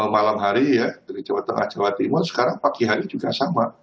malam hari ya dari jawa tengah jawa timur sekarang pagi hari juga sama